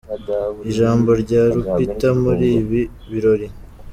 Ijambo rya Rupita muri ibi birori :.